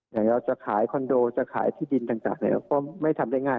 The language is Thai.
อย่างเราจะขายคอนโดจะขายที่ดินต่างก็ไม่ทำได้ง่าย